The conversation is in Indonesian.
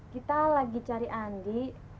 kita lagi cari andi